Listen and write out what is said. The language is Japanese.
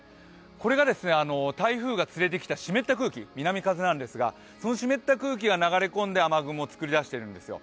これが台風が連れてきた湿った空気、南風なんですが、この湿った空気が流れ込んで雨雲を作り出しているんですよ。